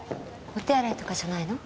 お手洗いとかじゃないの？